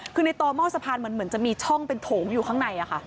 คือในต่อหม้อสะพานเหมือนจะมีช่องเป็นโถงอยู่ข้างใน